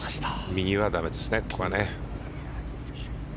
右はだめですね、ここは。